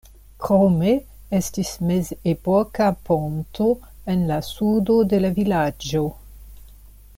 Krome estis mezepoka ponto en la sudo de la vilaĝo.